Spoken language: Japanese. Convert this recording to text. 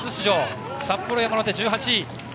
札幌山の手、１８位。